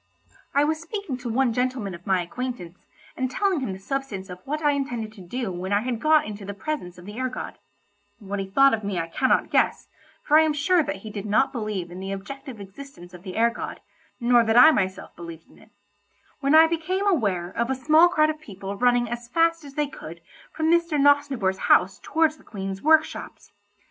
I was speaking to one gentleman of my acquaintance, and telling him the substance of what I intended to do when I had got into the presence of the air god (what he thought of me I cannot guess, for I am sure that he did not believe in the objective existence of the air god, nor that I myself believed in it), when I became aware of a small crowd of people running as fast as they could from Mr. Nosnibor's house towards the Queen's workshops.